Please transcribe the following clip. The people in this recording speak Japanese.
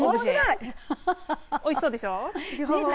おいしそうでしょう。